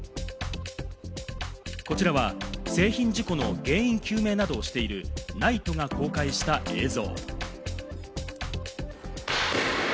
こちらは製品事故の原因究明などをしているＮＩＴＥが公開した映像。